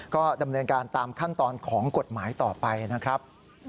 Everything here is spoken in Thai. ก็ดำเนินการตามขั้นตอนของกฎหมายต่อไปนะครับ